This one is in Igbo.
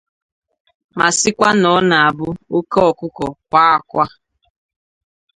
ma sịkwa na ọ na-abụ oke ọkụkọ kwaa akwa